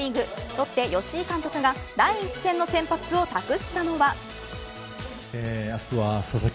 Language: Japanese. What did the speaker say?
ロッテ吉井監督が第１戦の先発を託したのは。